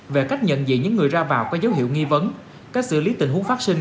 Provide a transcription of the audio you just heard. về cách nhận diện những người ra vào có dấu hiệu nghi vấn cách xử lý tình huống phát sinh